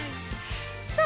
◆さあ